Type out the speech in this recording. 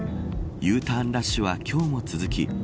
Ｕターンラッシュは今日も続き